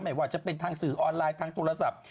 ไม่ว่าจะเป็นทางสื่อออนไลน์ทางโทรศัพท์